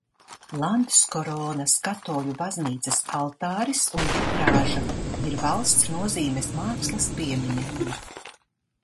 Landskoronas katoļu baznīcas altāris un vitrāža ir valsts nozīmes mākslas pieminekļi.